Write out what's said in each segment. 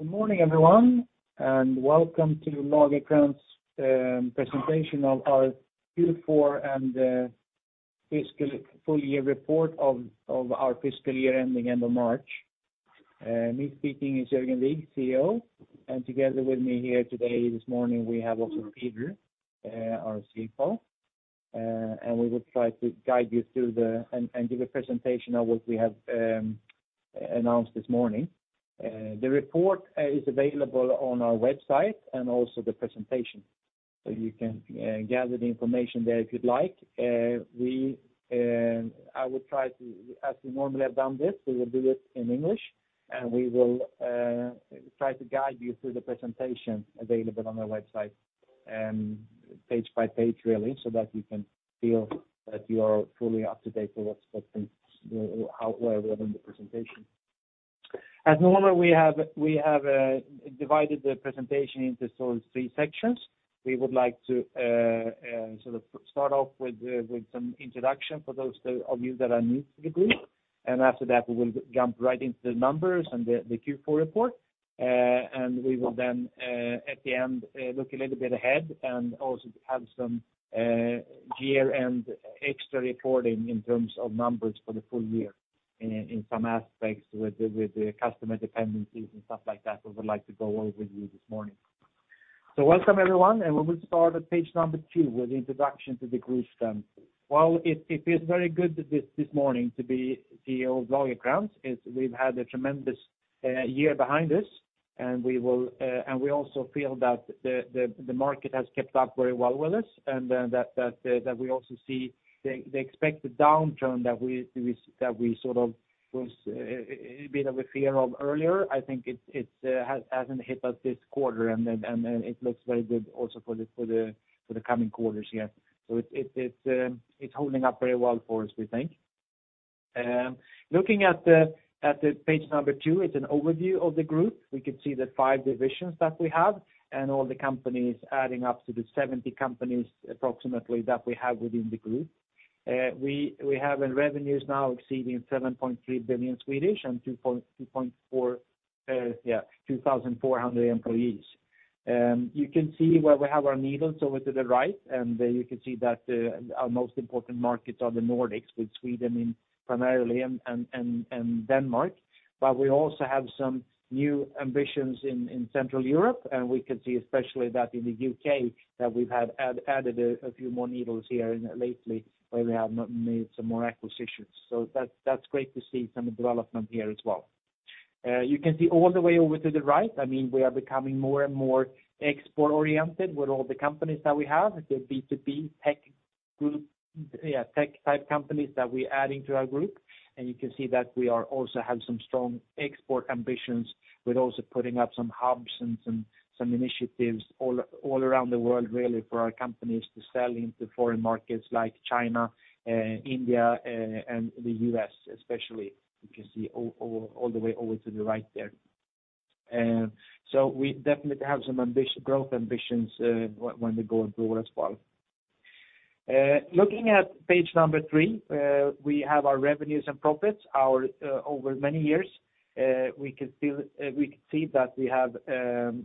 Good morning, everyone, and welcome to Lagercrantz presentation of our Q4 and full year report of our fiscal year ending end of March. Me speaking is Jörgen Wigh, CEO, and together with me here today this morning, we have also Peter Thysell, our CFO. We will try to guide you and give a presentation of what we have announced this morning. The report is available on our website and also the presentation. You can gather the information there if you'd like. We, I would try to, as we normally have done this, we will do it in English, and we will try to guide you through the presentation available on our website, page by page, really, so that you can feel that you are truly up-to-date with what's out within the presentation. As normal, we have divided the presentation into sort of three sections. We would like to sort of start off with some introduction for those of you that are new to the group. After that, we will jump right into the numbers and the Q4 report. We will then, at the end, look a little bit ahead and also have some year-end extra reporting in terms of numbers for the full year in some aspects with the customer dependencies and stuff like that, we would like to go over with you this morning. Welcome, everyone. We will start at page number two with the introduction to the group then. While it feels very good this morning to be CEO of Lagercrantz, is we've had a tremendous year behind us, and we will, and we also feel that the market has kept up very well with us and that we also see the expected downturn that we sort of was a bit of a fear of earlier. I think it's hasn't hit us this quarter, and then, and it looks very good also for the coming quarters. It's holding up very well for us, we think. Looking at the page number two, it's an overview of the group. We can see the five divisions that we have and all the companies adding up to the 70 companies approximately that we have within the group. We have in revenues now exceeding 7.3 billion and 2,400 employees. You can see where we have our needles over to the right, and you can see that our most important markets are the Nordics, with Sweden in primarily and Denmark. We also have some new ambitions in Central Europe, and we can see especially that in the U..K, that we've added a few more needles here lately, where we have made some more acquisitions. That's great to see some development here as well. You can see all the way over to the right, I mean, we are becoming more and more export-oriented with all the companies that we have, the B2B tech group, tech type companies that we're adding to our group. You can see that we are also have some strong export ambitions with also putting up some hubs and some initiatives all around the world, really, for our companies to sell into foreign markets like China, India, and the U.S. especially. You can see all the way over to the right there. We definitely have some growth ambitions when we go abroad as well. Looking at page three, we have our revenues and profits our over many years. We can still see that we have had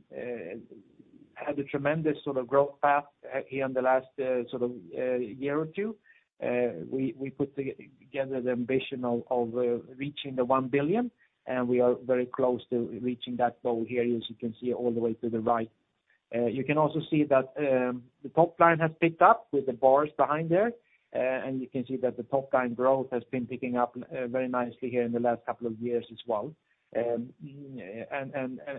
a tremendous sort of growth path here in the last year or two. We put together the ambition of reaching the 1 billion, we are very close to reaching that goal here, as you can see all the way to the right. You can also see that the top line has picked up with the bars behind there, you can see that the top-line growth has been picking up very nicely here in the last couple of years as well.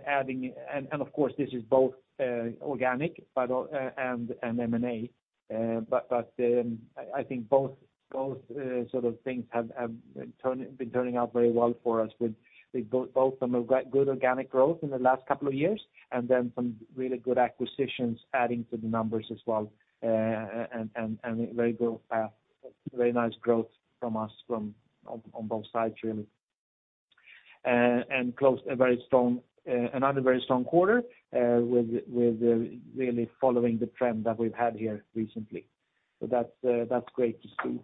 Adding... Of course, this is both organic, and M&A. But I think both sort of things have been turning out very well for us with both some good organic growth in the last couple of years and then some really good acquisitions adding to the numbers as well, and very nice growth from us on both sides, really. And close a very strong, another very strong quarter, with really following the trend that we've had here recently. That's great to see.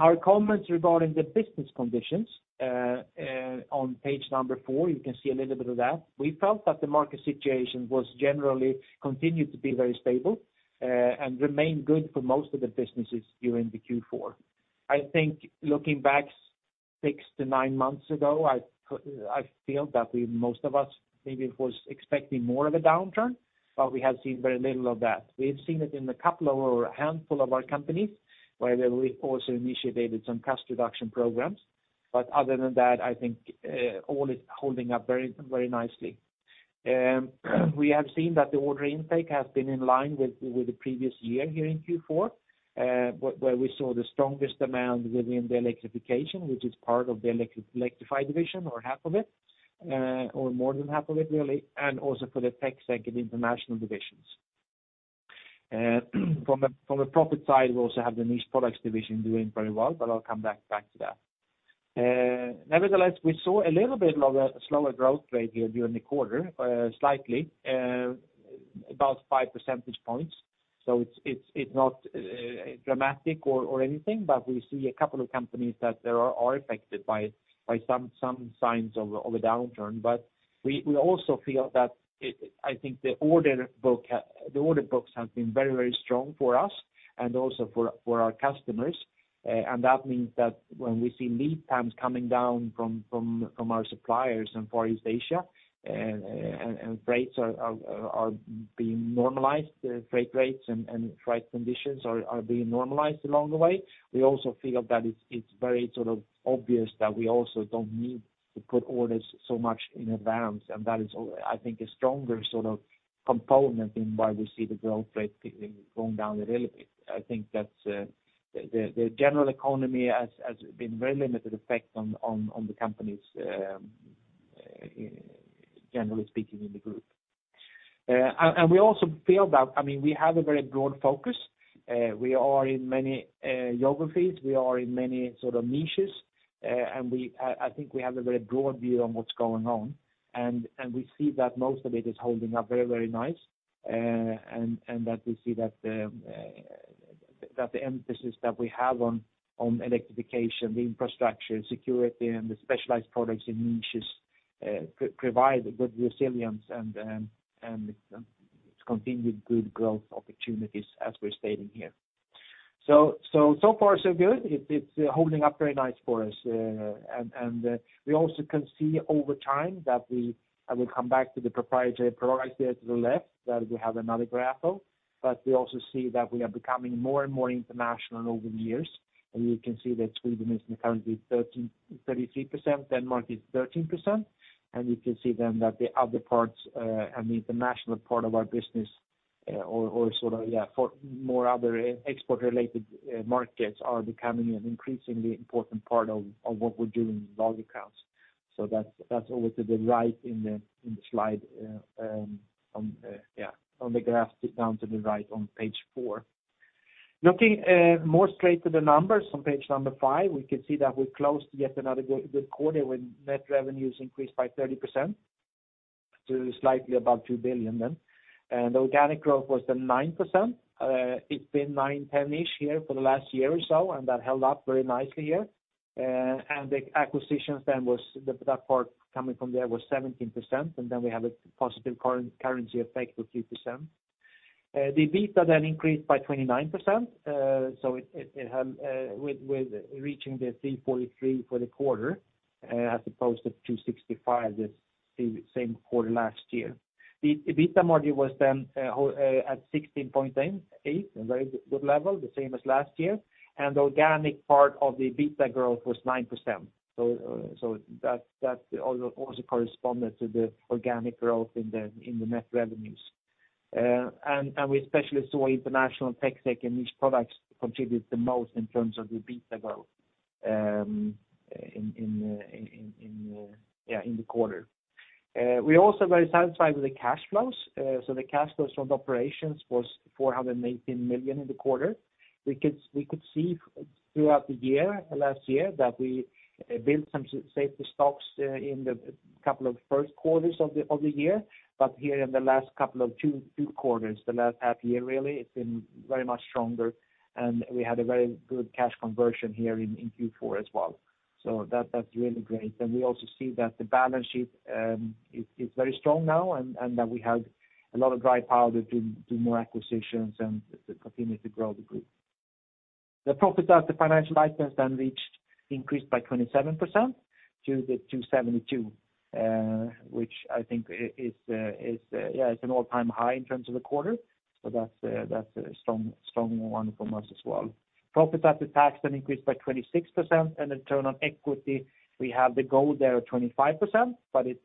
Our comments regarding the business conditions on page number four, you can see a little bit of that. We felt that the market situation was generally continued to be very stable, and remained good for most of the businesses during the Q4. I think looking back six-nine months ago, I feel that we, most of us maybe was expecting more of a downturn, but we have seen very little of that. We've seen it in a couple of our, handful of our companies, where we've also initiated some cost reduction programs. Other than that, I think, all is holding up very, very nicely. We have seen that the order intake has been in line with the previous year here in Q4, where we saw the strongest demand within the electrification, which is part of the Electrify division or half of it, or more than half of it, really, and also for the TecSec and international divisions. From a profit side, we also have the Niche Products division doing very well, I'll come back to that. We saw a little bit of a slower growth rate here during the quarter, slightly. About 5 percentage points. It's not dramatic or anything, we see a couple of companies that are affected by some signs of a downturn. We also feel that I think the order books have been very strong for us and also for our customers. That means that when we see lead times coming down from our suppliers in Far East Asia, and freights are being normalized, the freight rates and freight conditions are being normalized along the way, we also feel that it's very sort of obvious that we also don't need to put orders so much in advance. That is I think, a stronger sort of component in why we see the growth rate going down a little bit. I think that's the general economy has been very limited effect on the companies, generally speaking in the group. We also feel that, I mean, we have a very broad focus. We are in many geographies. We are in many sort of niches. I think we have a very broad view on what's going on. We see that most of it is holding up very, very nice. That we see that the emphasis that we have on electrification, the infrastructure, security, and the specialized products and niches provide a good resilience and continued good growth opportunities as we're stating here. So far, so good. It's holding up very nice for us. We also can see over time that we I will come back to the proprietary product there to the left that we have another graph of. We also see that we are becoming more and more international over the years. You can see that Sweden is currently 33%, Denmark is 13%. You can see that the other parts, and the international part of our business, or sort of, for more other e-export related markets are becoming an increasingly important part of what we're doing in Lagercrantz. That's over to the right in the slide, on the graph down to the right on page four. Looking more straight to the numbers on page five, we can see that we closed yet another good quarter when net revenues increased by 30% to slightly above 2 billion. Organic growth was the 9%. It's been nine, 10-ish here for the last year or so, and that held up very nicely here. The acquisitions then was that part coming from there was 17%, and then we have a positive currency effect of 2%. The EBITDA then increased by 29%, so it had with reaching the 343 for the quarter, as opposed to 265 the same quarter last year. The EBITDA margin was then at 16.8%, a very good level, the same as last year. Organic part of the EBITDA growth was 9%. That also corresponded to the organic growth in the net revenues. We especially saw international tech and Niche Products contribute the most in terms of the EBITDA growth in the quarter. We're also very satisfied with the cash flows. The cash flows from operations was 418 million in the quarter. We could see throughout the year, last year, that we built some safety stocks in the couple of first quarters of the year. Here in the last couple of two quarters, the last half year really, it's been very much stronger, and we had a very good cash conversion here in Q4 as well. That's really great. We also see that the balance sheet is very strong now and that we have a lot of dry powder to do more acquisitions and to continue to grow the Lagercrantz Group. Profit after financial items reached increase by 27% to 272, which I think is an all-time high in terms of the quarter. That's a strong one for us as well. Profit after tax increased by 26% and return on equity, we have the goal there of 25%,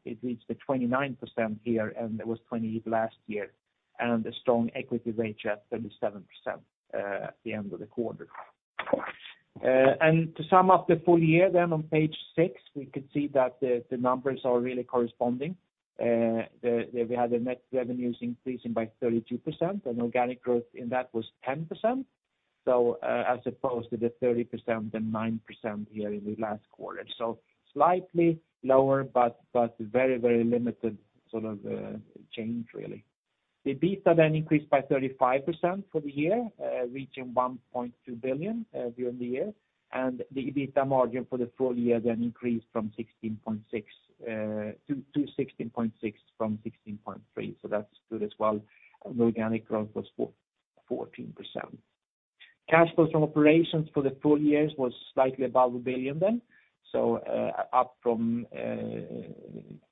it reached 29% here, it was 20 last year, a strong equity ratio at 37% at the end of the quarter. To sum up the full year then on page six, we can see that the numbers are really corresponding. We had the net revenues increasing by 32% and organic growth in that was 10%, as opposed to the 30% and 9% here in the last quarter. Slightly lower, but very, very limited sort of change really. The EBITDA then increased by 35% for the year, reaching 1.2 billion during the year. EBITDA margin for the full year then increased from 16.6 to 16.6 from 16.3. That's good as well. Organic growth was 14%. Cash flows from operations for the full years was slightly above 1 billion then. Up from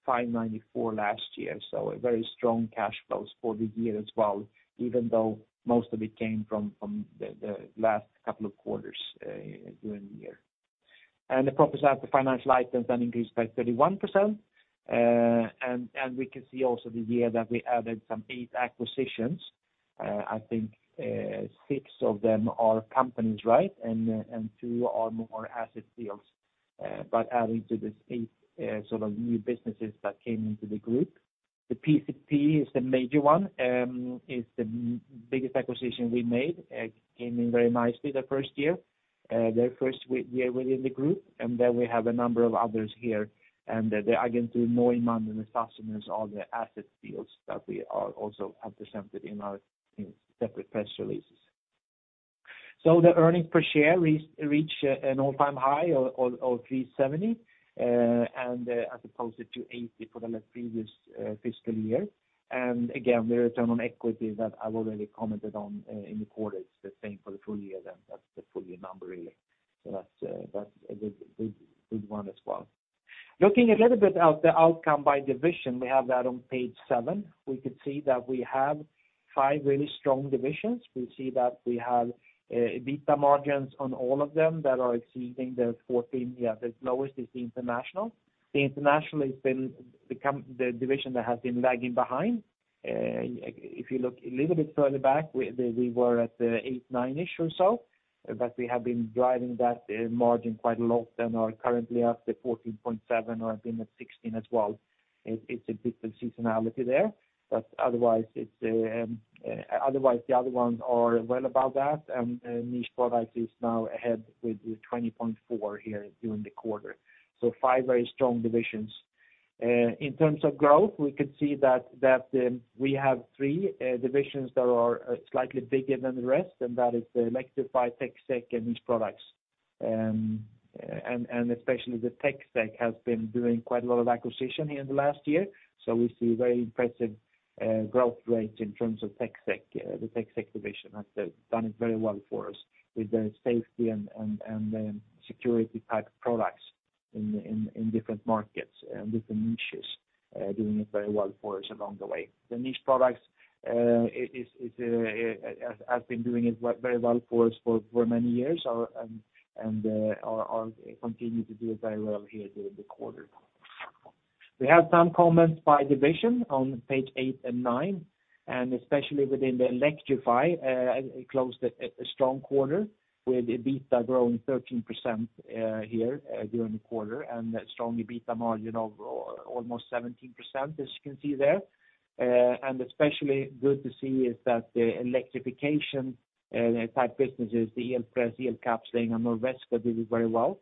594 million last year. Very strong cash flows for the year as well, even though most of it came from the last couple of quarters during the year. The profit after financial items then increased by 31%. We can see also the year that we added some eight acquisitions. I think six of them are companies, right? Two are more asset deals, but adding to this eight sort of new businesses that came into the group. The PCP is the major one, is the biggest acquisition we made. came in very nicely the first year. Their first week year within the group. We have a number of others here, and they are again, doing more in-demand than the fasteners or the asset fields that we are also have presented in our separate press releases. The earnings per share reach an all-time high of 3.70 as opposed to 2.80 for the previous fiscal year. Again, the return on equity that I've already commented on in the quarter, it's the same for the full year. That's the full year number really. That's a good one as well. Looking a little bit at the outcome by division, we have that on page seven. We could see that we have five really strong divisions. We see that we have EBITDA margins on all of them that are exceeding the 14%. The lowest is the International. The International has become the division that has been lagging behind. If you look a little bit further back, we were at 8%, 9%-ish or so, but we have been driving that margin quite a lot and are currently at the 14.7% or have been at 16% as well. It's a different seasonality there, but otherwise it's otherwise the other ones are well above that. Niche Products is now ahead with 20.4% here during the quarter. 5 very strong divisions. In terms of growth, we could see that we have three divisions that are slightly bigger than the rest, and that is the Electrify, TecSec, and Niche Products. Especially the TechSec has been doing quite a lot of acquisition in the last year, so we see very impressive growth rates in terms of TechSec. The TechSec division has done it very well for us with the safety and security type products in different markets and different niches, doing it very well for us along the way. The Niche Products is has been doing it very well for us for many years, and are continue to do it very well here during the quarter. We have some comments by division on page eight and nine, and especially within the Electrify, closed a strong quarter with EBITDA growing 13% here during the quarter, and a strong EBITDA margin of almost 17%, as you can see there. Especially good to see is that the electrification type businesses, the Elpress, Elkapsling, and Norwesco did it very well.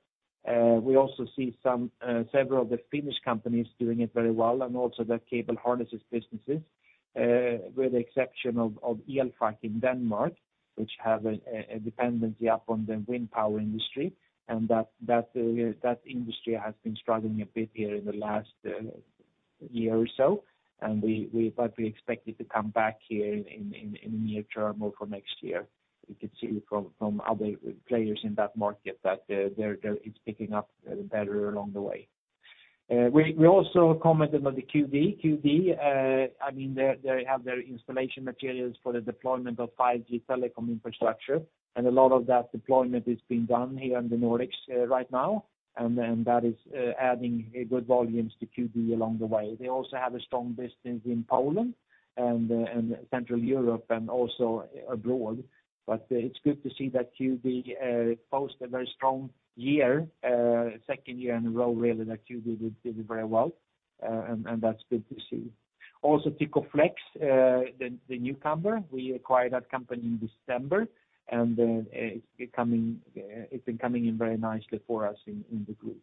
We also see some several of the Finnish companies doing it very well, and also the cable harnesses businesses, with the exception of Elfac in Denmark, which have a dependency up on the wind power industry, and that industry has been struggling a bit here in the last year or so. We expect it to come back here in the near term or for next year. You could see from other players in that market that it's picking up better along the way. We also commented on the QD. QD, I mean, they have their installation materials for the deployment of 5G telecom infrastructure, and a lot of that deployment is being done here in the Nordics right now. That is adding good volumes to QD along the way. They also have a strong business in Poland and Central Europe and also abroad. It's good to see that QD, post a very strong year, second year in a row, really, that QD did very well. That's good to see. Tykoflex, the newcomer, we acquired that company in December, and it's been coming in very nicely for us in the group.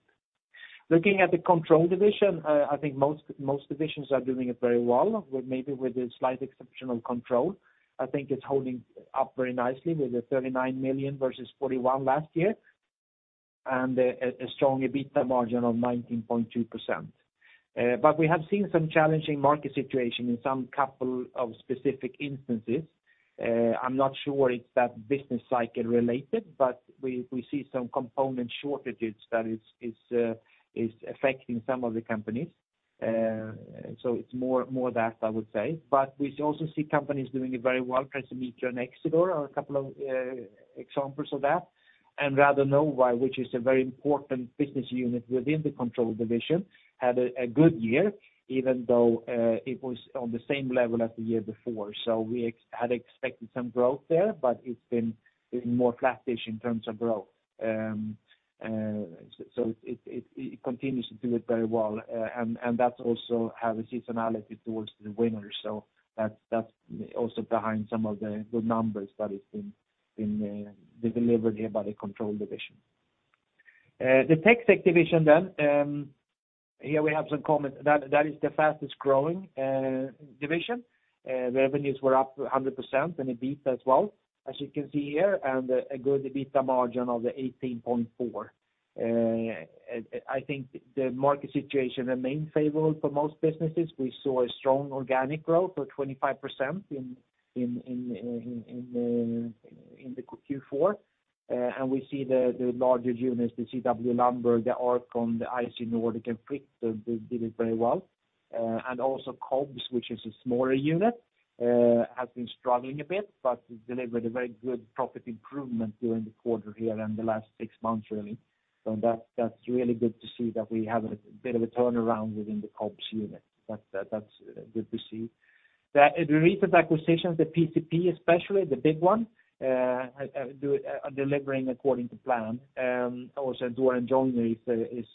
Looking at the Control division, I think most divisions are doing it very well, with maybe with a slight exception of Control. I think it's holding up very nicely with 39 million versus 41 last year, and a strong EBITDA margin of 19.2%. We have seen some challenging market situation in some couple of specific instances. I'm not sure it's that business cycle related, we see some component shortages that is affecting some of the companies. It's more that, I would say. We also see companies doing it very well. Precimeter and Exidor are a couple of examples of that. Rather KnowWhy, which is a very important business unit within the Control division, had a good year, even though it was on the same level as the year before. We had expected some growth there, but it's been more flat-ish in terms of growth. It continues to do it very well. That also have a seasonality towards the winter. That's also behind some of the good numbers that has been delivered here by the Control division. The TecSec division, here we have some comments. That is the fastest growing division. The revenues were up 100% and EBITDA as well, as you can see here, and a good EBITDA margin of 18.4%. I think the market situation remain favorable for most businesses. We saw a strong organic growth of 25% in the Q4. We see the larger units, the CW Lundberg, the R-CON, the ISG Nordic, and Frictape, they did it very well. Also COBS, which is a smaller unit, has been struggling a bit, but it delivered a very good profit improvement during the quarter here and the last six months really. That's really good to see that we have a bit of a turnaround within the COBS unit. That's good to see. The recent acquisitions, the PcP especially, the big one, are delivering according to plan. Also Door and Joinery is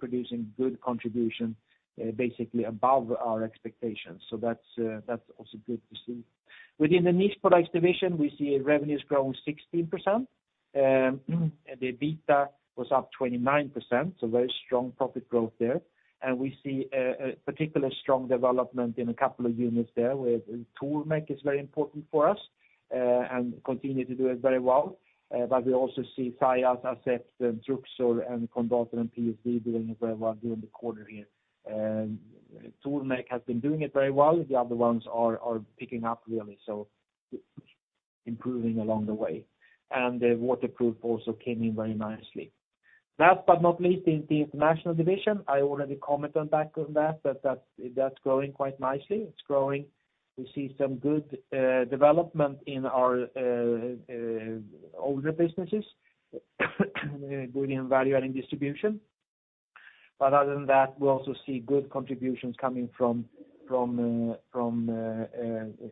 producing good contribution, basically above our expectations. That's also good to see. Within the Niche Products division, we see revenues growing 16%. The EBITDA was up 29%, so very strong profit growth there. We see a particular strong development in a couple of units there, where Tormek is very important for us, and continue to do it very well. We also see Saiya, Aset, Truxor, and Condor and PSV doing very well during the quarter here. Tormek has been doing it very well. The other ones are picking up really, so improving along the way. The Waterproof also came in very nicely. Last but not least, in the International division, I already commented back on that, but that's growing quite nicely. It's growing. We see some good development in our older businesses, doing value-adding distribution. Other than that, we also see good contributions coming from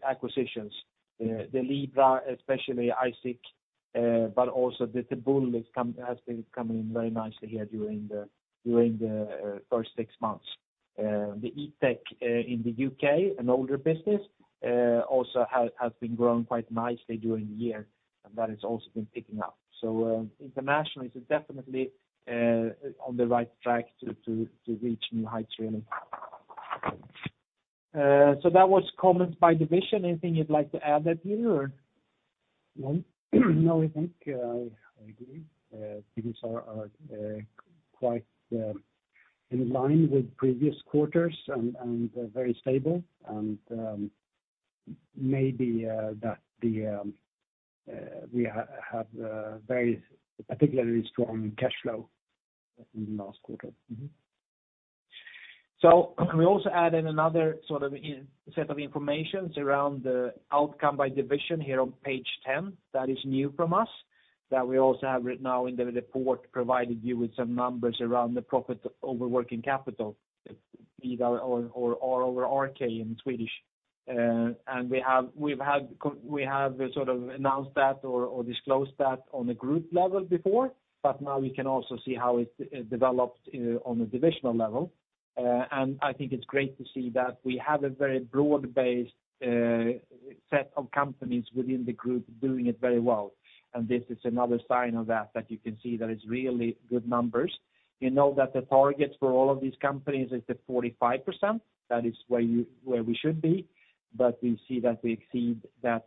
acquisitions. The Libra, especially ISIC, but also the Tebul has been coming very nicely here during the first six months. The E-Tech in the U.K., an older business, also has been growing quite nicely during the year, and that has also been picking up. Internationally, it's definitely on the right track to reach new heights really. So that was comments by division. Anything you'd like to add there, Peter? No. No, I think, I agree. Things are quite in line with previous quarters and very stable. Maybe that the we have very particularly strong cash flow in the last quarter. We also added another sort of set of informations around the outcome by division here on page 10. That is new from us, that we also have right now in the report provided you with some numbers around the profit over working capital, EBITDA or over RK in Swedish. We have sort of announced that or disclosed that on a group level before, but now we can also see how it developed on a divisional level. I think it's great to see that we have a very broad-based set of companies within the group doing it very well. This is another sign of that you can see that it's really good numbers. You know that the targets for all of these companies is the 45%. That is where you, where we should be. We see that we exceed that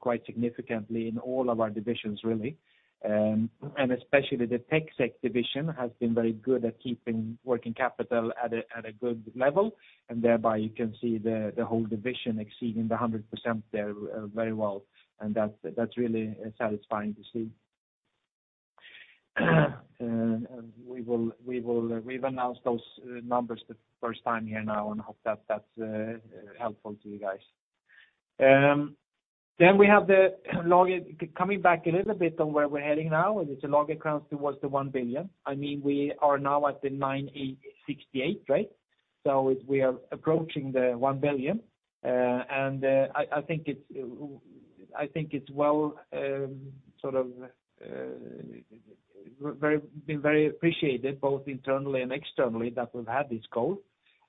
quite significantly in all of our divisions really. Especially the TecSec division has been very good at keeping working capital at a, at a good level, and thereby you can see the whole division exceeding the 100% there very well. That's really satisfying to see. We will, we've announced those numbers the first time here now, and I hope that that's helpful to you guys. We have the coming back a little bit on where we're heading now, and it's a log accounts towards the 1 billion. I mean, we are now at the 9,868, right? We are approaching the 1 billion. I think it's well, sort of, been very appreciated both internally and externally that we've had this goal.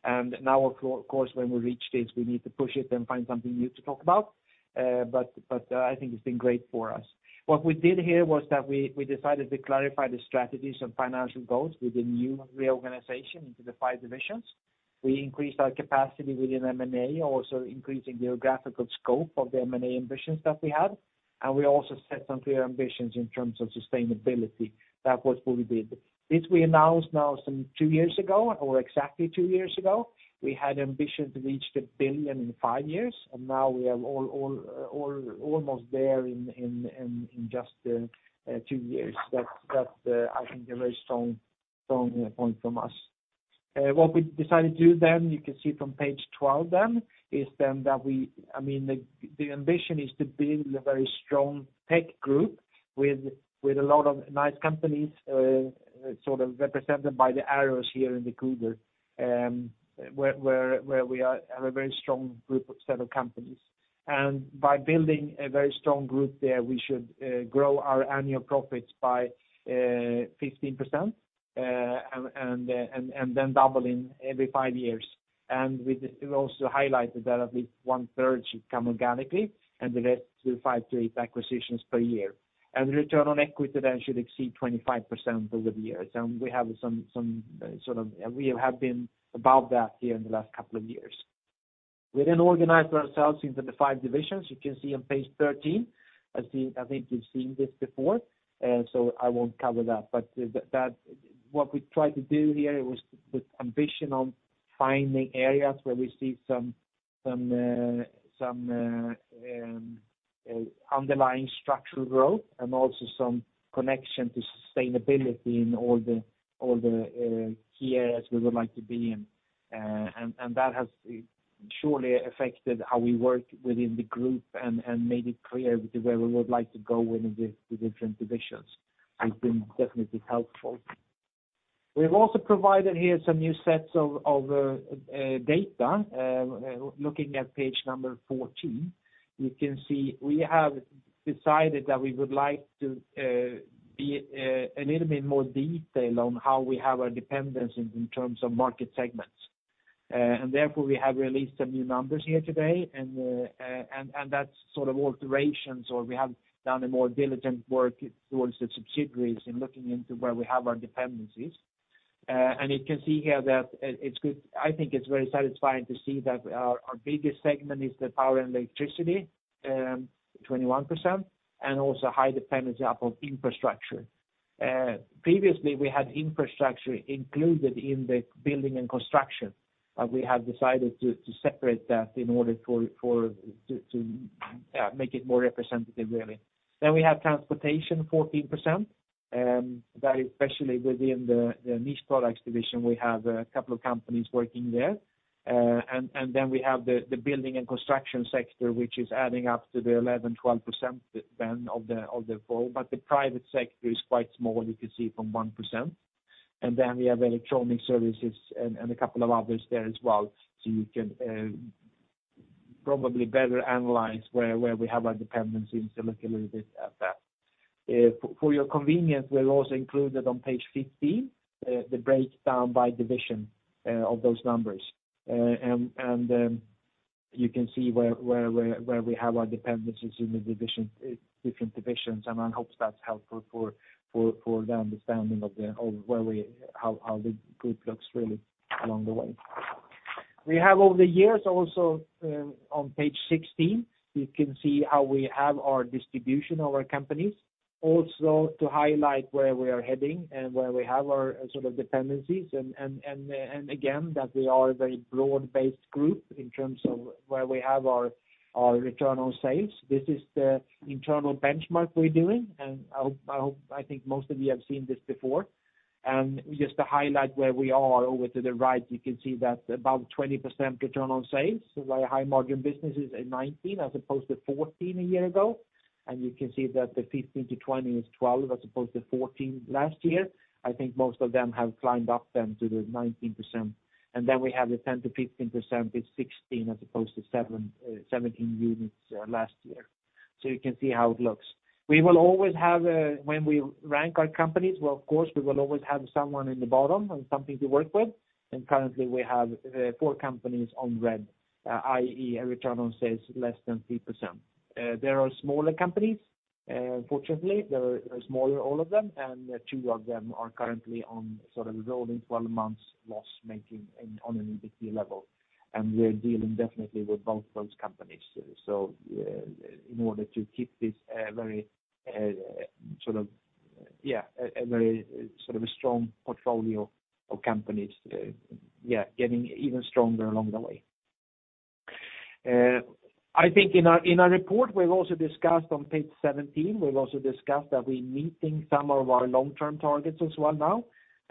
Now of course, when we reach this, we need to push it and find something new to talk about. I think it's been great for us. What we did here was that we decided to clarify the strategies and financial goals with the new reorganization into the five divisions. We increased our capacity within M&A, also increasing geographical scope of the M&A ambitions that we had. We also set some clear ambitions in terms of sustainability. That was what we did. This we announced now some two years ago, or exactly two years ago. We had ambition to reach 1 billion in five years, now we are all almost there in just two years. That's I think a very strong point from us. What we decided to do then, you can see from page 12 then, is then that we, I mean, the ambition is to build a very strong tech group with a lot of nice companies, sort of represented by the arrows here in the cougar, where we are, have a very strong group of set of companies. By building a very strong group there, we should grow our annual profits by 15%, and then doubling every five years. We also highlighted that at least one-third should come organically, and the rest through five to eight acquisitions per year. Return on equity then should exceed 25% over the years. We have some, sort of, we have been above that here in the last couple of years. We then organized ourselves into the five divisions. You can see on page 13. I've seen, I think you've seen this before, so I won't cover that. That, what we tried to do here was with ambition on finding areas where we see some, underlying structural growth and also some connection to sustainability in all the key areas we would like to be in. That has surely affected how we work within the group and made it clear where we would like to go in the different divisions. It's been definitely helpful. We've also provided here some new sets of data. Looking at page number 14, you can see we have decided that we would like to be a little bit more detail on how we have our dependence in terms of market segments. Therefore we have released some new numbers here today, and that's sort of alterations or we have done a more diligent work towards the subsidiaries in looking into where we have our dependencies. You can see here that I think it's very satisfying to see that our biggest segment is the power and electricity, 21%, and also high dependence of infrastructure. Previously we had infrastructure included in the building and construction, but we have decided to separate that in order to make it more representative really. We have transportation 14%, very especially within the Niche Products division we have a couple of companies working there. We have the building and construction sector, which is adding up to the 11, 12% then of the four. The private sector is quite small, you can see from 1%. We have electronic services and a couple of others there as well. You can probably better analyze where we have our dependencies to look a little bit at that. For your convenience, we're also included on page 15, the breakdown by division of those numbers. You can see where we have our dependencies in the division, different divisions, and I hope that's helpful for the understanding of how the group looks really along the way. We have over the years also, on page 16, you can see how we have our distribution of our companies. Also to highlight where we are heading and where we have our sort of dependencies and again, that we are a very broad-based group in terms of where we have our return on sales. This is the internal benchmark we're doing. I hope, I think most of you have seen this before. Just to highlight where we are over to the right, you can see that about 20% return on sales, very high margin businesses at 19 as opposed to 14 a year ago. You can see that the 15-20 is 12 as opposed to 14 last year. I think most of them have climbed up then to the 19%. We have the 10%-15% is 16 as opposed to 17 units last year. You can see how it looks. We will always have, when we rank our companies, well, of course, we will always have someone in the bottom and something to work with. Currently we have four companies on red, i.e., a return on sales less than 3%. There are smaller companies, fortunately, they are smaller, all of them, and two of them are currently on sort of rolling 12 months loss making in, on an EBITDA level. We're dealing definitely with both those companies. In order to keep this very, sort of, a very sort of a strong portfolio of companies, getting even stronger along the way. I think in our, in our report, we've also discussed on page 17, we've also discussed that we're meeting some of our long-term targets as well now.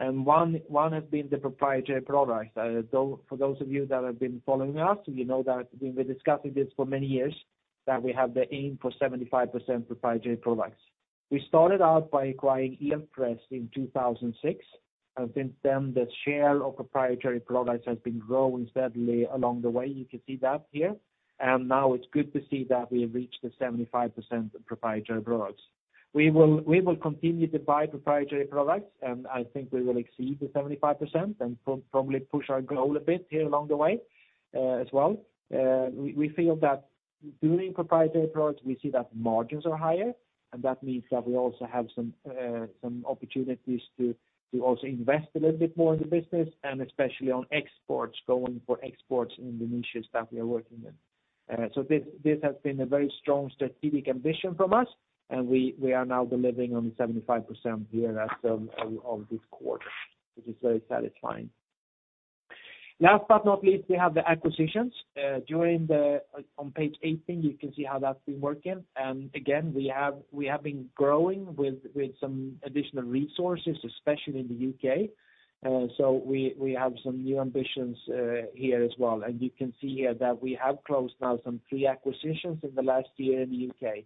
One has been the proprietary products. Though for those of you that have been following us, you know that we've been discussing this for many years, that we have the aim for 75% proprietary products. We started out by acquiring Elpress in 2006. Since then, the share of proprietary products has been growing steadily along the way. You can see that here. Now it's good to see that we have reached the 75% proprietary products. We will continue to buy proprietary products, and I think we will exceed the 75% and probably push our goal a bit here along the way as well. We feel that doing proprietary products, we see that margins are higher, and that means that we also have some opportunities to also invest a little bit more in the business, and especially on exports, going for exports in the niches that we are working in. This has been a very strong strategic ambition from us, and we are now delivering on the 75% here as of this quarter, which is very satisfying. Last but not least, we have the acquisitions. During the on page 18, you can see how that's been working. Again, we have been growing with some additional resources, especially in the U.K. We have some new ambitions here as well. You can see here that we have closed now three acquisitions in the last year in the U.K.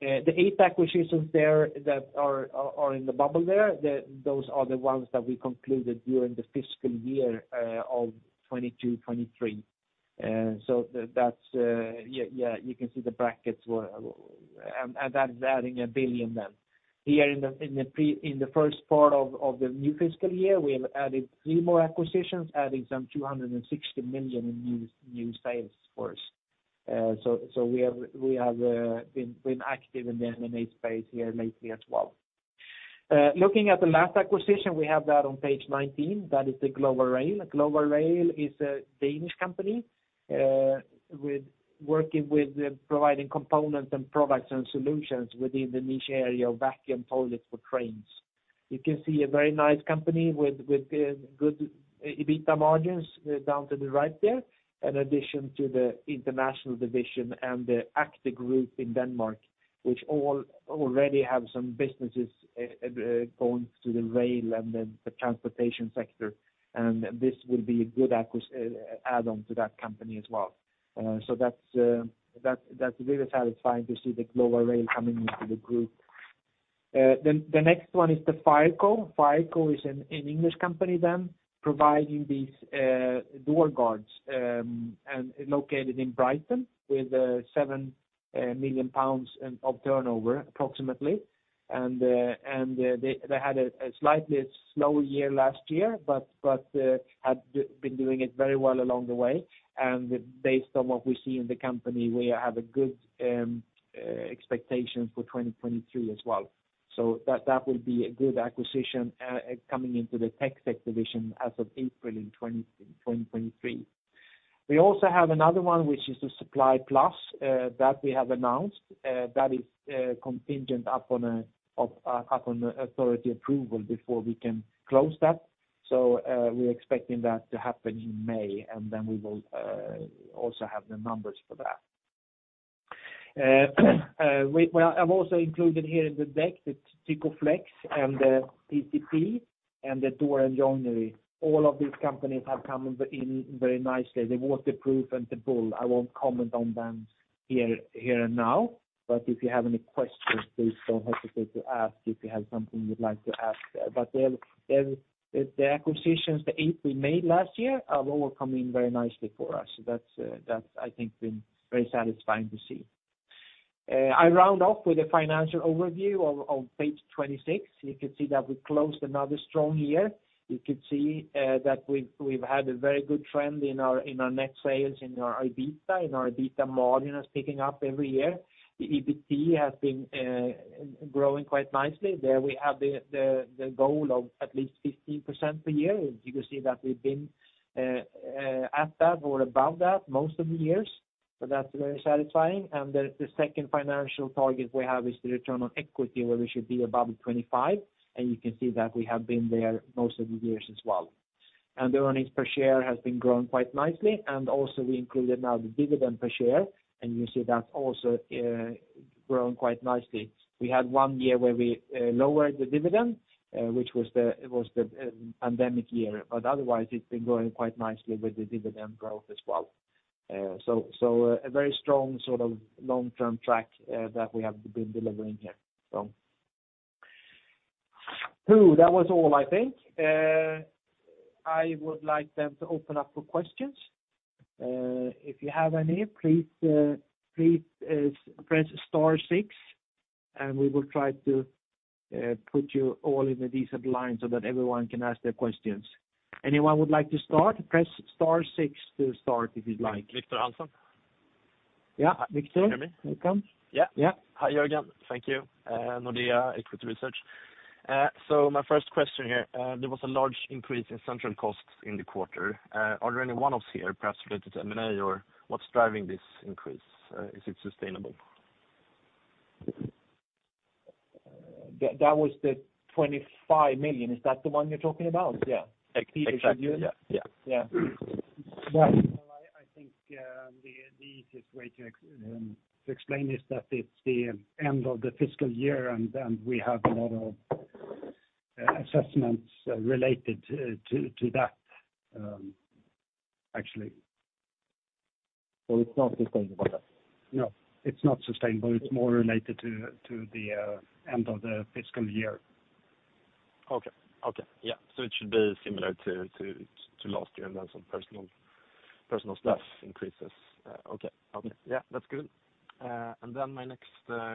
The eight acquisitions there that are in the bubble there, those are the ones that we concluded during the fiscal year 2022-2023. That is adding 1 billion then. Here in the first part of the new fiscal year, we have added three more acquisitions, adding some 260 million in new sales for us. We have been active in the M&A space here lately as well. Looking at the last acquisition, we have that on page 19. That is the Glova Rail. Glova Rail is a Danish company, working with providing components and products and solutions within the niche area of vacuum toilets for trains. You can see a very nice company with good EBITDA margins down to the right there, in addition to the International division and the active group in Denmark, which already have some businesses going to the rail and the transportation sector. This will be a good add-on to that company as well. That's really satisfying to see the Glova Rail coming into the Group. The next one is the Fireco. Fireco is an English company providing these door guards, and located in Brighton with 7 million pounds of turnover approximately. They had a slightly slow year last year, but been doing it very well along the way. Based on what we see in the company, we have a good expectation for 2023 as well. That will be a good acquisition coming into the tech sector division as of April in 2023. We also have another one, which is the Supply Plus that we have announced that is contingent upon authority approval before we can close that. We're expecting that to happen in May, and then we will also have the numbers for that. We, well, I've also included here in the deck, the Tykoflex and the TCP and the Door and Joinery. All of these companies have come in very nicely. The Waterproof and the Bull, I won't comment on them here and now. If you have any questions, please don't hesitate to ask if you have something you'd like to ask there. They're the acquisitions, the eight we made last year have all come in very nicely for us. That's, I think, been very satisfying to see. I round off with a financial overview on page 26. You can see that we closed another strong year. You can see that we've had a very good trend in our net sales, in our EBITDA. Our EBITDA margin is picking up every year. The EBT has been growing quite nicely. There we have the goal of at least 15% per year. You can see that we've been at that or above that most of the years. That's very satisfying. The second financial target we have is the return on equity, where we should be above 25%, and you can see that we have been there most of the years as well. The earnings per share has been growing quite nicely. Also we included now the dividend per share, and you see that's also grown quite nicely. We had one year where we lowered the dividend, which was the pandemic year. Otherwise it's been going quite nicely with the dividend growth as well. A very strong sort of long-term track that we have been delivering here. Two, that was all, I think. I would like then to open up for questions. If you have any, please, press star six, and we will try to put you all in a decent line so that everyone can ask their questions. Anyone would like to start? Press star six to start if you'd like. Victor Hanson. Yeah. Viktor. Can you hear me? Welcome. Yeah. Yeah. Hi, Jörgen. Thank you. Nordea Equity Research. My first question here, there was a large increase in central costs in the quarter. Are there any one-offs here, perhaps related to M&A or what's driving this increase? Is it sustainable? That was the 25 million. Is that the one you're talking about? Yeah. Exactly, yeah. Yeah. Yeah. Well, I think, the easiest way to explain is that it's the end of the fiscal year, and we have a lot of assessments related to that, actually. It's not sustainable then? No, it's not sustainable. It's more related to the end of the fiscal year. Okay. Okay. Yeah. It should be similar to last year and then some personal stuff increases. Okay. Okay. Yeah. That's good. My next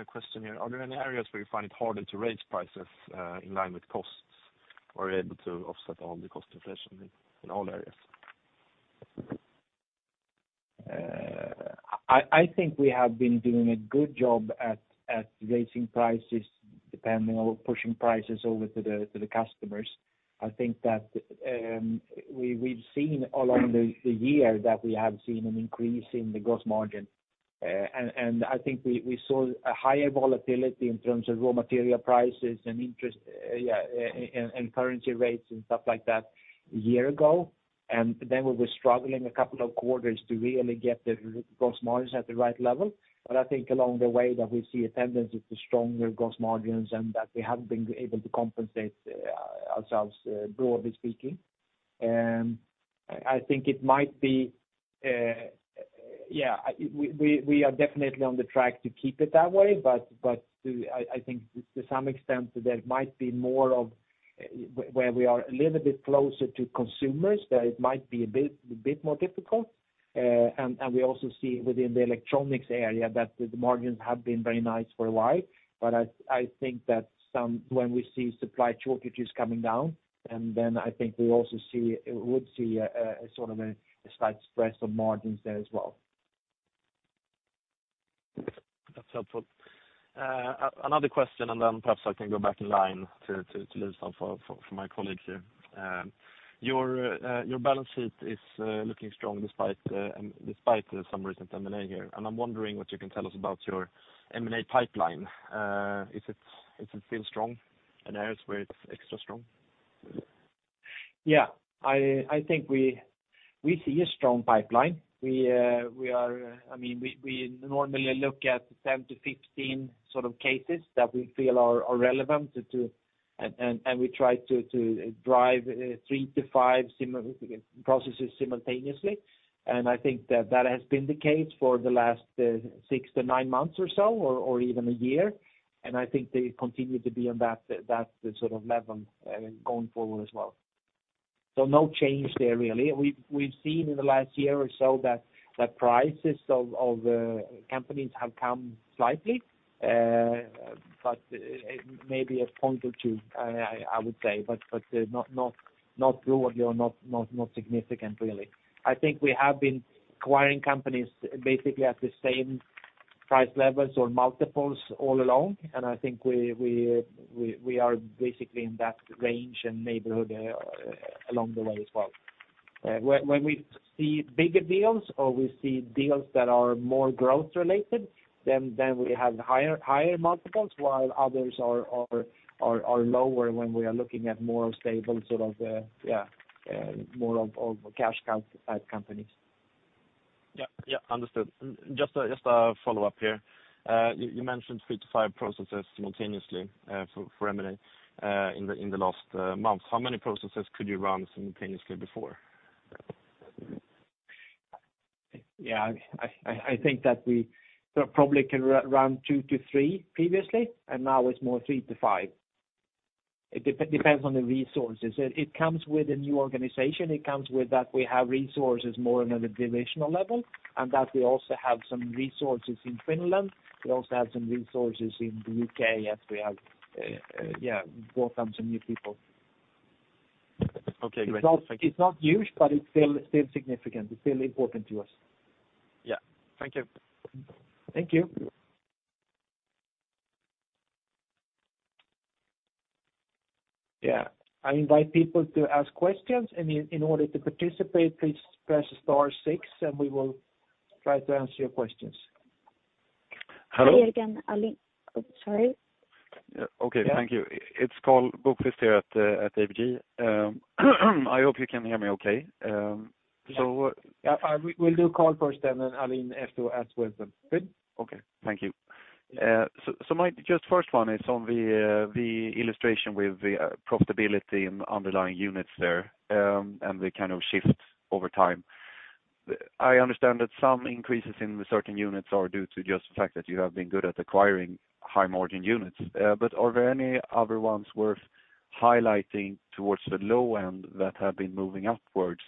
question here, are there any areas where you find it harder to raise prices in line with costs? Or are you able to offset all the cost inflation in all areas? I think we have been doing a good job at raising prices, depending on pushing prices over to the customers. I think that we've seen along the year that we have seen an increase in the gross margin. I think we saw a higher volatility in terms of raw material prices and interest, yeah, and currency rates and stuff like that a year ago. Then we were struggling a couple of quarters to really get the gross margins at the right level. I think along the way that we see a tendency to stronger gross margins and that we have been able to compensate ourselves broadly speaking. I think it might be, yeah, we are definitely on the track to keep it that way, but to I think to some extent there might be more of where we are a little bit closer to consumers, that it might be a bit more difficult. We also see within the electronics area that the margins have been very nice for a while. I think that some when we see supply shortages coming down, and then I think we also would see a sort of a slight spread of margins there as well. That's helpful. Another question. Then perhaps I can go back in line to leave some for my colleagues here. Your balance sheet is looking strong despite despite some recent M&A here. I'm wondering what you can tell us about your M&A pipeline. Is it still strong? Any areas where it's extra strong? Yeah. I think we see a strong pipeline. We are, I mean, we normally look at 10-15 sort of cases that we feel are relevant to. We try to drive three-five processes simultaneously. I think that has been the case for the last six-nine months or so, or even a year. I think they continue to be on that sort of level going forward as well. So no change there really. We've seen in the last year or so that the prices of companies have come slightly, maybe a point or two, I would say, but not dramatically or not significant really. I think we have been acquiring companies basically at the same price levels or multiples all along. I think we are basically in that range and neighborhood along the way as well. When we see bigger deals or we see deals that are more growth related, then we have higher multiples while others are lower when we are looking at more stable sort of, yeah, more of cash count type companies. Yeah. Yeah. Understood. Just a follow-up here. you mentioned three-five processes simultaneously for M&A in the last month. How many processes could you run simultaneously before? Yeah. I think that we probably can run two-three previously, and now it's more three-five. It depends on the resources. It comes with a new organization. It comes with that we have resources more on a divisional level, and that we also have some resources in Finland. We also have some resources in the U.K. as we have, yeah, welcome some new people. Okay, great. Thank you. It's not huge, but it's still significant. It's still important to us. Yeah. Thank you. Thank you. Yeah. I invite people to ask questions. In order to participate, please press star six, and we will try to answer your questions. Hello? Hi, Jörgen. Aline... Oops, sorry. Yeah. Okay. Thank you. It's Carl Ryrberg here at ABG. I hope you can hear me okay. Yeah. We'll do Carl first then, and Aline has to ask with them. Good? Okay. Thank you. My just first one is on the illustration with the profitability and underlying units there, and the kind of shift over time. I understand that some increases in the certain units are due to just the fact that you have been good at acquiring high margin units. Are there any other ones worth highlighting towards the low end that have been moving upwards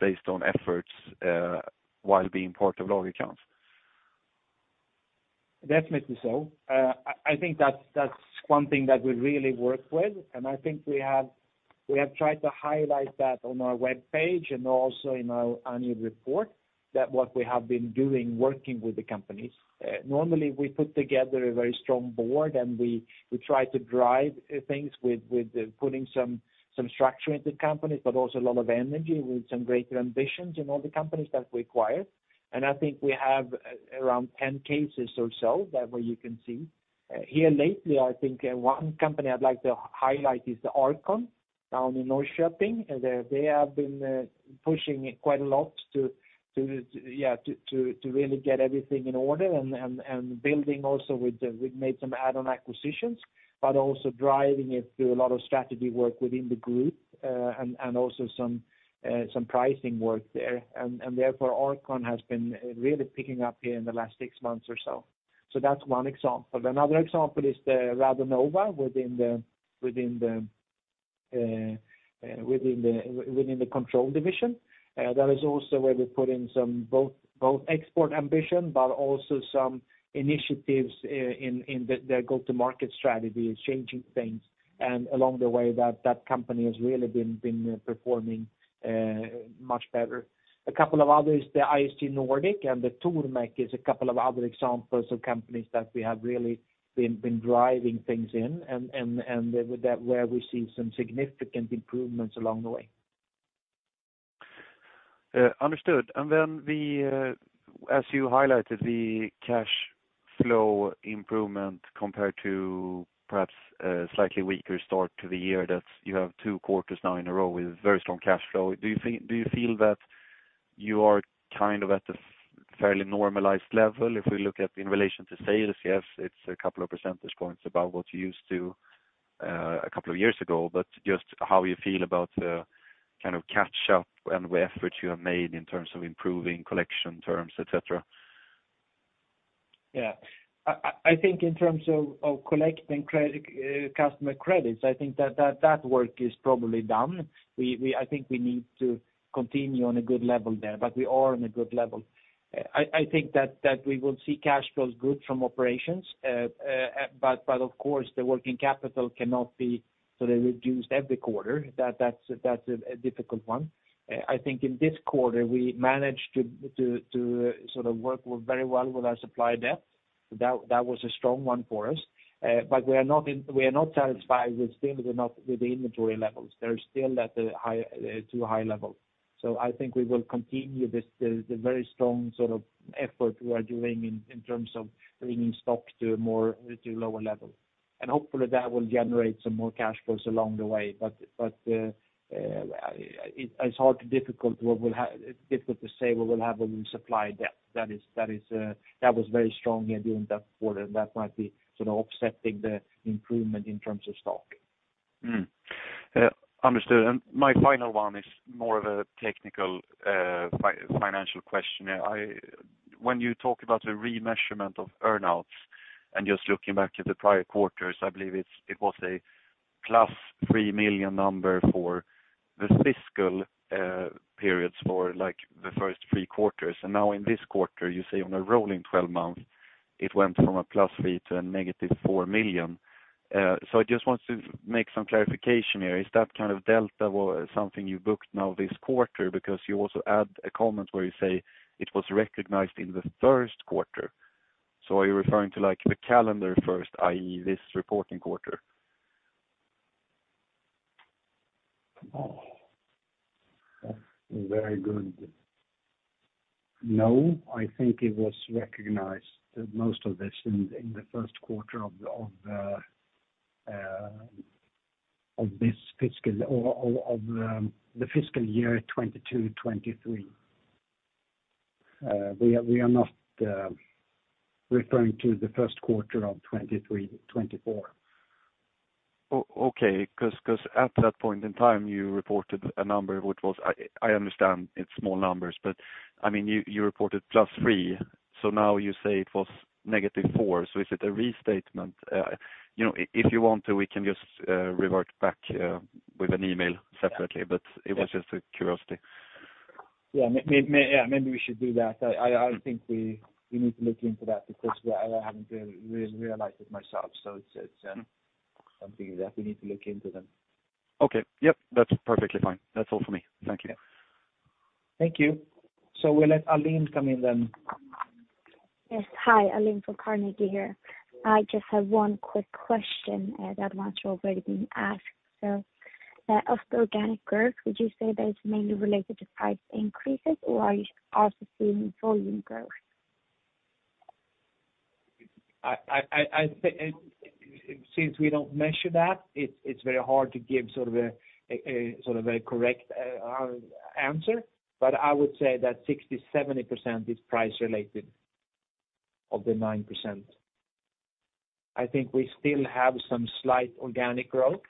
based on efforts while being part of Lagercrantz? Definitely so. I think that's one thing that we really work with, and I think we have tried to highlight that on our webpage and also in our annual report that what we have been doing working with the companies. Normally we put together a very strong board, and we try to drive things with putting some structure into companies, but also a lot of energy with some greater ambitions in all the companies that we acquire. I think we have around 10 cases or so that way you can see. Here lately, I think, one company I'd like to highlight is the R-CON down in Norrköping. They have been pushing it quite a lot to really get everything in order and building also with the we've made some add-on acquisitions, but also driving it through a lot of strategy work within the group, and also some pricing work there. Therefore, R-CON has been really picking up here in the last six months or so. That's one example. Another example is the Radonova within the Control division. That is also where we put in some both export ambition, but also some initiatives in their go-to-market strategy, changing things. Along the way, that company has really been performing much better. A couple of others, the ISG Nordic and the Tormek is a couple of other examples of companies that we have really been driving things in and with that, where we've seen some significant improvements along the way. Understood. As you highlighted, the cash flow improvement compared to perhaps a slightly weaker start to the year, that you have two quarters now in a row with very strong cash flow. Do you feel that you are kind of at the fairly normalized level? If we look at in relation to sales, yes, it's a couple of percentage points above what you used to, a couple of years ago, but just how you feel about the kind of catch up and the effort you have made in terms of improving collection terms, et cetera. I think in terms of collecting credit, customer credits, I think that work is probably done. I think we need to continue on a good level there, but we are on a good level. I think that we will see cash flows good from operations, but of course, the working capital cannot be sort of reduced every quarter. That's a difficult one. I think in this quarter, we managed to sort of work very well with our supply debt. That was a strong one for us. We are not satisfied. We still do not with the inventory levels. They're still at a high, too high level. I think we will continue this, the very strong sort of effort we are doing in terms of bringing stock to a more, to a lower level. Hopefully, that will generate some more cash flows along the way. It's hard to say what we'll have on supply debt. That is that was very strong during that quarter. That might be sort of offsetting the improvement in terms of stock. Understood. My final one is more of a technical, financial question. When you talk about the remeasurement of earn-outs. Just looking back at the prior quarters, I believe it's, it was a +3 million number for the fiscal periods for, like, the first three quarters. Now in this quarter, you say on a rolling twelve months it went from SEK +3 million to -4 million. I just want to make some clarification here. Is that kind of delta something you booked now this quarter? Because you also add a comment where you say it was recognized in the 1st quarter. Are you referring to, like, the calendar first, i.e., this reporting quarter? Oh. Very good. I think it was recognized that most of this in the first quarter of the fiscal or, of the fiscal year 2022, 2023. We are not referring to the first quarter of 2023, 2024. Okay. 'Cause at that point in time you reported a number which was... I understand it's small numbers, but I mean, you reported plus three. Now you say it was negative four. Is it a restatement? you know, if you want to, we can just revert back with an email separately. Yeah. It was just a curiosity. Yeah. Maybe we should do that. I think we need to look into that because I haven't really realized it myself, so it's something that we need to look into then. Okay. Yep, that's perfectly fine. That's all for me. Thank you. Thank you. We'll let Aline come in then. Yes. Hi. Aline from Carnegie here. I just have one quick question, that once you're already being asked. Of the organic growth, would you say that it's mainly related to price increases or are you also seeing volume growth? I since we don't measure that, it's very hard to give sort of a sort of a correct answer. I would say that 60%-70% is price related, of the 9%. I think we still have some slight organic growth.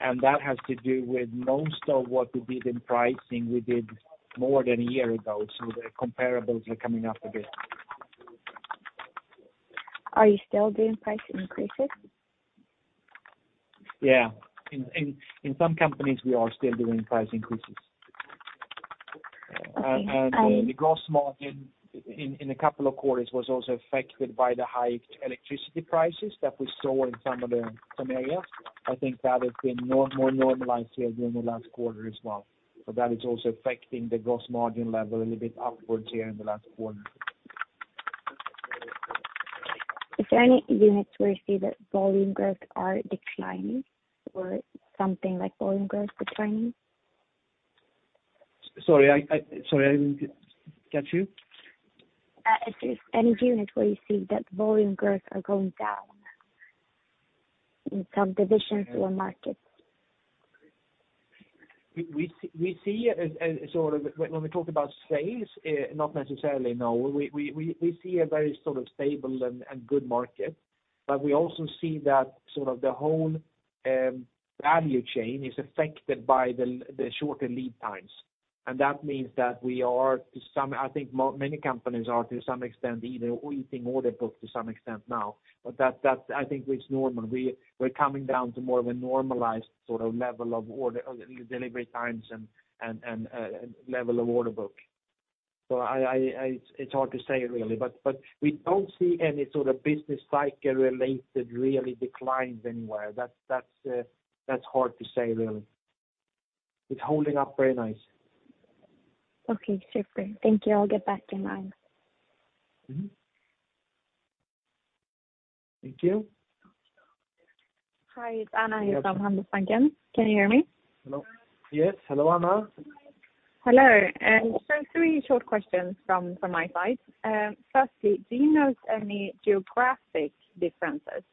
That has to do with most of what we did in pricing we did more than a year ago, so the comparables are coming up a bit. Are you still doing price increases? Yeah. In some companies we are still doing price increases. Okay. The gross margin in a couple of quarters was also affected by the high electricity prices that we saw in some of the, some areas. I think that has been more normalized here during the last quarter as well. That is also affecting the gross margin level a little bit upwards here in the last quarter. Is there any units where you see that volume growth are declining or something like volume growth declining? Sorry, I didn't get you? If there's any units where you see that volume growth are going down in some divisions or markets. We see it as sort of when we talk about space, not necessarily, no. We see a very sort of stable and good market, but we also see that sort of the whole value chain is affected by the shorter lead times. That means that we are to some extent. I think many companies are to some extent either eating order books to some extent now. That, I think it's normal. We're coming down to more of a normalized sort of level of order, delivery times and level of order book. It's hard to say really. We don't see any sort of business cycle related really declines anywhere. That's hard to say really. It's holding up very nice. Okay. Super. Thank you. I'll get back to you now. Mm-hmm. Thank you. Hi, it's Anna here from Handelsbanken. Can you hear me? Hello. Yes. Hello, Anna. Hello. Three short questions from my side. Firstly, do you note any geographic differences?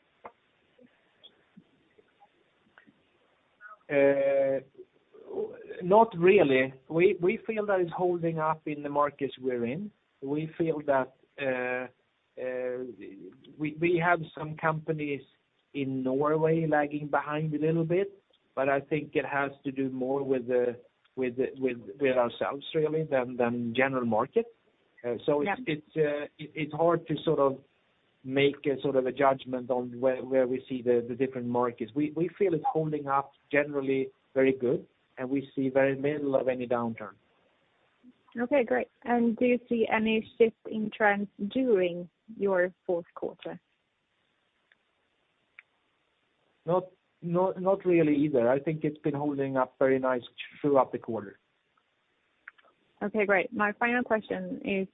Not really. We feel that it's holding up in the markets we're in. We feel that we have some companies in Norway lagging behind a little bit, but I think it has to do more with ourselves really than general market. Yeah. It's hard to sort of make a judgment on where we see the different markets. We feel it's holding up generally very good, and we see we're in the middle of any downturn. Okay, great. Do you see any shift in trends during your fourth quarter? Not really either. I think it's been holding up very nice throughout the quarter. Okay, great. My final question is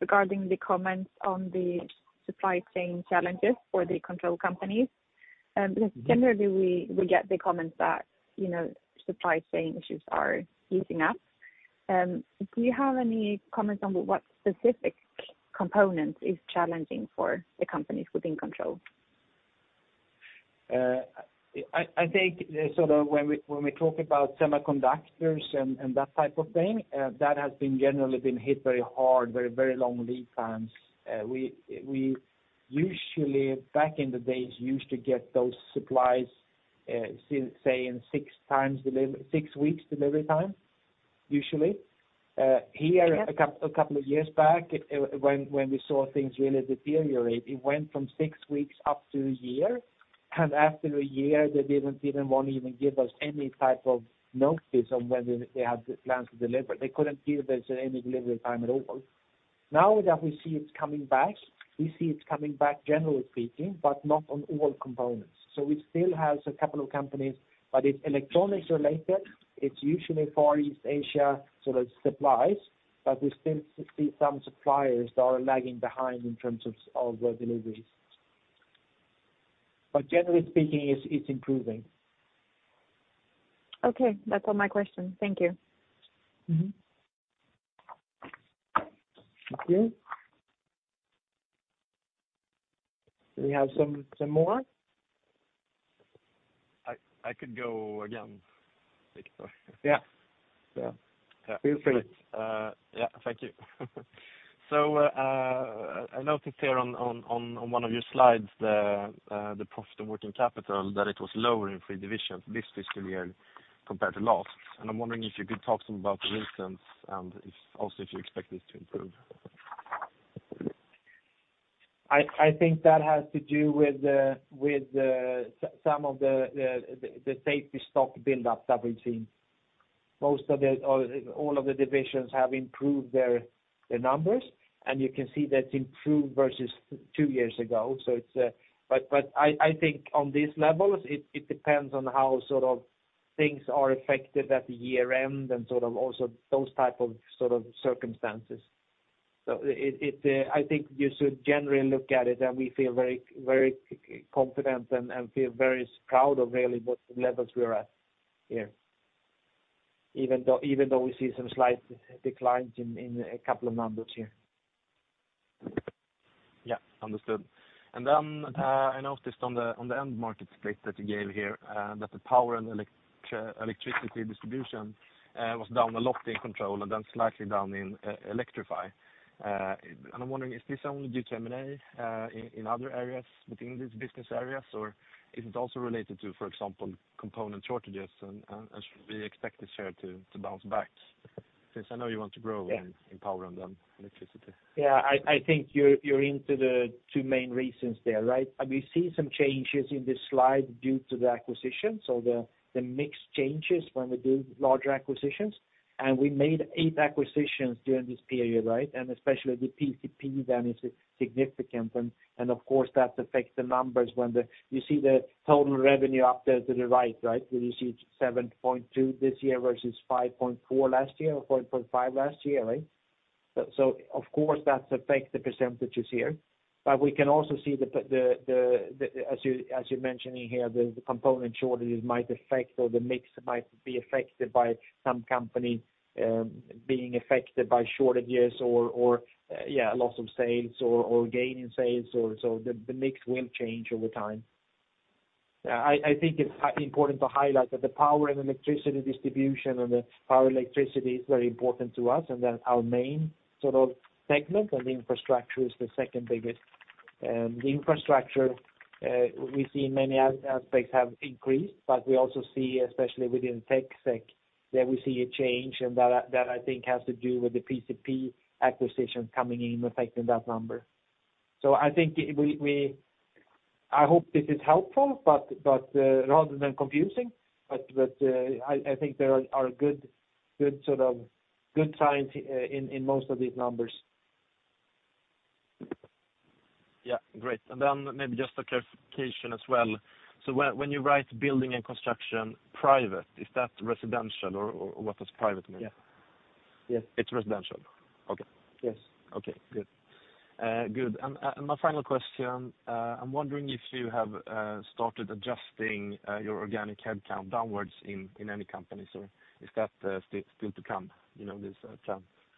regarding the comments on the supply chain challenges for the Control companies. Mm-hmm. Because generally we get the comments that, you know, supply chain issues are easing up. Do you have any comments on what specific components is challenging for the companies within Control? I think, sort of when we talk about semiconductors and that type of thing, that has been generally been hit very hard, very long lead times. We usually back in the days used to get those supplies, say, in six weeks delivery time. Usually, here a couple of years back, when we saw things really deteriorate, it went from six weeks up to one year. After one year, they didn't even want even give us any type of notice on whether they had the plans to deliver. They couldn't give us any delivery time at all. Now that we see it's coming back generally speaking, but not on all components. We still have a couple of companies, but it's electronics related. It's usually Far East Asia sort of supplies. We still see some suppliers that are lagging behind in terms of the deliveries. Generally speaking, it's improving. Okay. That's all my questions. Thank you. Thank you. Do we have some more? I could go again, Viktor. Yeah. Yeah. Yeah. Feel free. Yeah. Thank you. I noticed here on one of your slides the Profit and Working Capital, that it was lower in three divisions this fiscal year compared to last. I'm wondering if you could talk some about the reasons and if also if you expect this to improve? I think that has to do with the with the some of the safety stock build up that we've seen. Most of the or all of the divisions have improved their numbers, and you can see that's improved versus two years ago. It's. I think on these levels it depends on how sort of things are affected at the year-end and sort of also those type of circumstances. I think you should generally look at it and we feel very confident and feel very proud of really what levels we are at here, even though we see some slight declines in a couple of numbers here. Yeah. Understood. Then I noticed on the end market split that you gave here, that the power and electricity distribution was down a lot in Control and then slightly down in Electrify. I'm wondering, is this only due to M&A, in other areas within these business areas? Or is it also related to, for example, component shortages? Should we expect this here to bounce back since I know you want to grow- Yeah. in power and, electricity? Yeah, I think you're into the two main reasons there, right? We see some changes in this slide due to the acquisition. The mix changes when we do larger acquisitions, and we made eight acquisitions during this period, right? Especially the PcP then is significant, and of course that affects the numbers. You see the total revenue up there to the right? Where you see 7.2 this year versus 5.4 last year or 4.5 last year, right? Of course that affects the percentages here. We can also see the as you, as you're mentioning here, the component shortages might affect or the mix might be affected by some company, being affected by shortages or, yeah, a loss of sales or gaining sales or, the mix will change over time. I think it's important to highlight that the power and electricity distribution and the power electricity is very important to us, and they're our main sort of segment, and the infrastructure is the second biggest. The infrastructure, we see many aspects have increased, but we also see especially within TecSec, there we see a change, and that I think has to do with the PcP acquisition coming in affecting that number. I think we. I hope this is helpful, but rather than confusing, but I think there are good sort of good signs in most of these numbers. Yeah. Great. Then maybe just a clarification as well. When, when you write building and construction private, is that residential or what does private mean? Yeah. Yes. It's residential. Okay. Yes. Okay, good. Good. My final question, I'm wondering if you have started adjusting your organic headcount downwards in any company, is that still to come? You know, this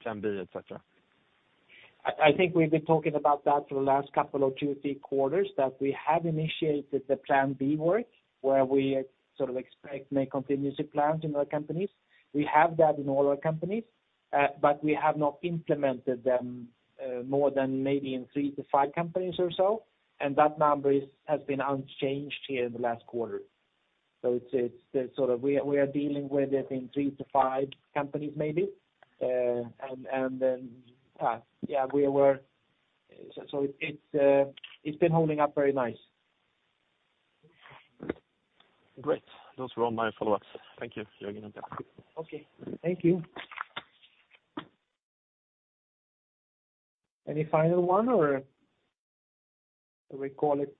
Plan B, et cetera. I think we've been talking about that for the last couple of two, three quarters, that we have initiated the Plan B work where we sort of expect make contingency plans in our companies. We have that in all our companies, but we have not implemented them, more than maybe in three to five companies or so, and that number is, has been unchanged here in the last quarter. It's sort of we are dealing with it in three to five companies maybe. Then, yeah, we were. It's been holding up very nice. Great. Those were all my follow-ups. Thank you, Jörgen and Peter. Okay. Thank you. Any final one, or do we call it?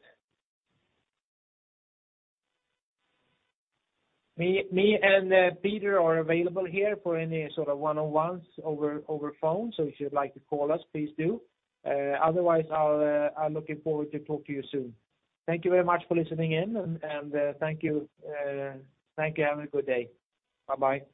Me and Peter are available here for any sort of one-on-ones over phone, so if you'd like to call us, please do. Otherwise, I'll I'm looking forward to talk to you soon. Thank you very much for listening in and thank you, thank you. Have a good day. Bye-bye.